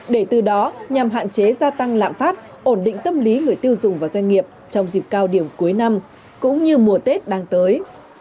để từ đó nhằm hạn chế gia tăng lạm phát ổn định tâm lý người tiêu dùng và doanh nghiệp trong dịp cao điểm cuối năm cũng như mùa tết đang tới